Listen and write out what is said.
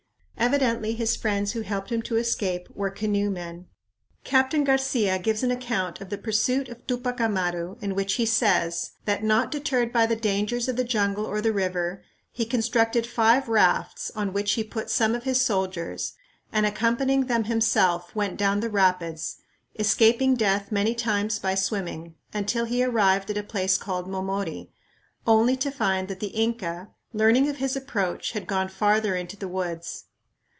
Evidently his friends who helped him to escape were canoe men. Captain Garcia gives an account of the pursuit of Tupac Amaru in which he says that, not deterred by the dangers of the jungle or the river, he constructed five rafts on which he put some of his soldiers and, accompanying them himself, went down the rapids, escaping death many times by swimming, until he arrived at a place called Momori, only to find that the Inca, learning of his approach, had gone farther into the woods.